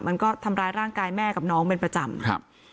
มันก็ทำร้ายร่างกายแม่กับน้องเป็นประจำครับ